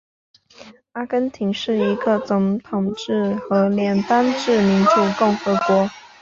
阿根廷是一个总统制和联邦制民主共和国。